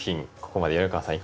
ここまで米川さん